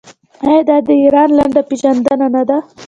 آیا دا د ایران لنډه پیژندنه نه ده؟